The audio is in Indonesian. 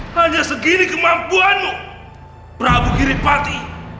hanya segini kemampuanmu prabu giripati